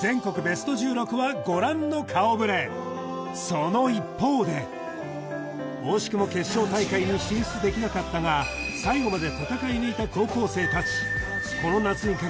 その一方で惜しくも決勝大会に進出できなかったが自分の中で。